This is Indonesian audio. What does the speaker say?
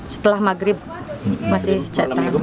setelah maghrib masih cetak